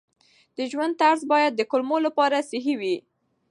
د ژوند طرز باید د کولمو لپاره صحي وي.